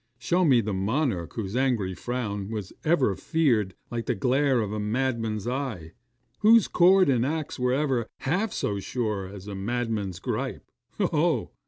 Show me the monarch whose angry frown was ever feared like the glare of a madman's eye whose cord and axe were ever half so sure as a madman's gripe. Ho! ho!